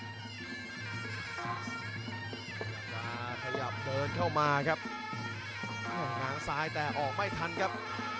พยายามจะขยับเดินเข้ามาครับหางซ้ายแต่ออกไม่ทันครับ